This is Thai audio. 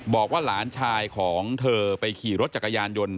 บอกว่าหลานชายของเธอไปขี่รถจักรยานยนต์